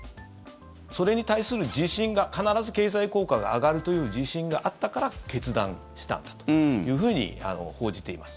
それに対する自信が必ず経済効果が上がるという自信があったから決断したんだというふうに報じています。